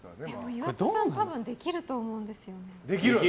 岩田さん多分できると思うんですよね。